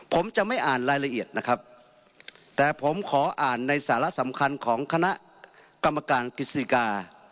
ผมจะไม่อ่านรายละเอียดนะครับแต่ผมขออ่านในสาระสำคัญของคณะกรรมการกฤษฎิกา